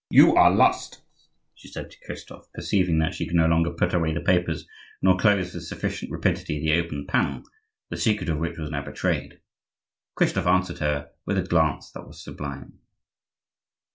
"You are lost!" she said to Christophe, perceiving that she could no longer put away the papers, nor close with sufficient rapidity the open panel, the secret of which was now betrayed. Christophe answered her with a glance that was sublime.